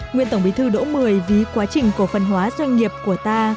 nguyên tổng bí thư đỗ mười ví quá trình cổ phần hóa doanh nghiệp của ta